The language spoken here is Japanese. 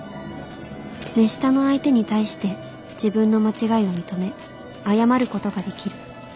目下の相手に対して自分の間違いを認め謝ることができる。